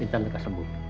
intan lekas sembuh